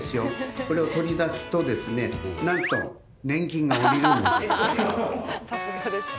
これを取り出すと何と年金が下りるんです。